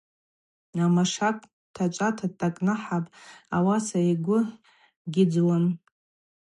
Амашакв дтачӏвата дкӏныхӏапӏ, ауаса йгвы гьыдзуам.